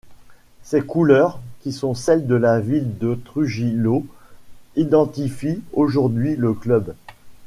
Ces couleurs, qui sont celles de la ville de Trujillo, identifient aujourd'hui le club.